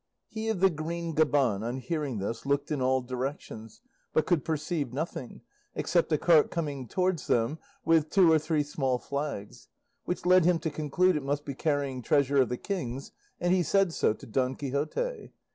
He of the green gaban, on hearing this, looked in all directions, but could perceive nothing, except a cart coming towards them with two or three small flags, which led him to conclude it must be carrying treasure of the King's, and he said so to Don Quixote.